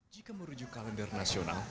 jika merujuk kalender nasional